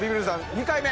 ２回目！